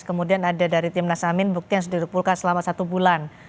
kemudian ada dari timnas amin bukti yang sudah dikumpulkan selama satu bulan